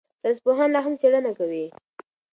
ساینسپوهان لا هم څېړنه کوي.